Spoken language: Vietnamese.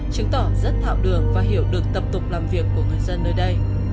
chứng tỏ rất thạo đường và hiểu được tập trung của nạn nhân